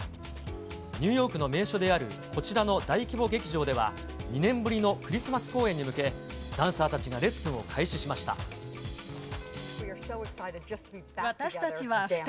ニューヨークの名所であるこちらの大規模劇場では、２年ぶりのクリスマス公演に向け、ダンサーたちがレッスンを開始しました。